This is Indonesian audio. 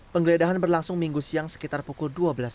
penggeledahan berlangsung minggu siang sekitar pukul dua belas tiga puluh